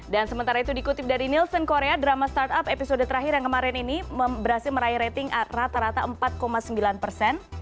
dan sementara itu dikutip dari nielsen korea drama start up episode terakhir yang kemarin ini berhasil meraih rating rata rata empat sembilan persen